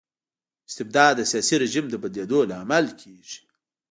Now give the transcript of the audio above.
استبداد د سياسي رژيم د بدلیدو لامل کيږي.